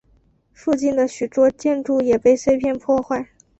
附近的许多建筑也被碎片破坏。